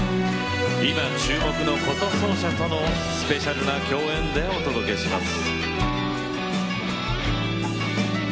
今、注目の箏奏者とのスペシャルな共演でお届けします。